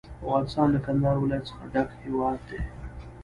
افغانستان له کندهار ولایت څخه ډک هیواد دی.